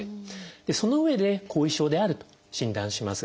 そのうえで後遺症であると診断します。